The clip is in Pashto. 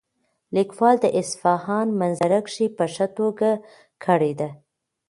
لیکوال د اصفهان منظرکشي په ښه توګه کړې ده.